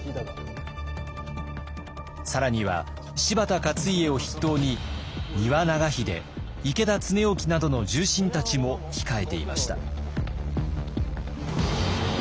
更には柴田勝家を筆頭に丹羽長秀池田恒興などの重臣たちも控えていました。